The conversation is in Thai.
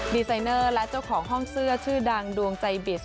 ดีไซเนอร์และเจ้าของห้องเสื้อชื่อดังดวงใจบิส